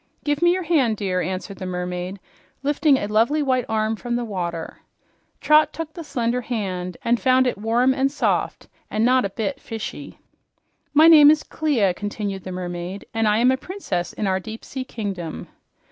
"Give me your hand, dear," answered the mermaid, lifting a lovely white arm from the water. Trot took the slender hand and found it warm and soft and not a bit "fishy." "My name is Clia," continued the mermaid, "and I am a princess in our deep sea kingdom."